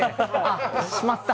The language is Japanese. しまった！